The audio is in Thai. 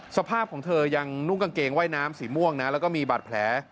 สภาพของเธอยังนุ่งกางเกงว่ายน้ำสีม่วงนะแล้วก็มีบาดแผล